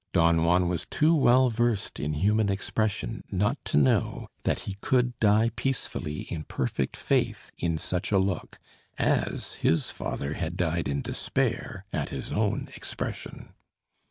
Don Juan was too well versed in human expression not to know that he could die peacefully in perfect faith in such a look, as his father had died in despair at his own expression.